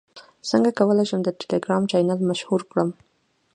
څنګه کولی شم د ټیلیګرام چینل مشهور کړم